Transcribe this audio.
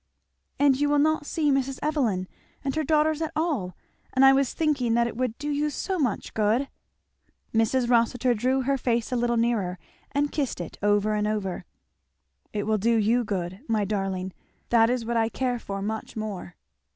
"And you will not see Mrs. Evelyn and her daughters at all! and I was thinking that it would do you so much good! " Mrs. Rossitur drew her face a little nearer and kissed it, over and over. "It will do you good, my darling that is what I care for much more."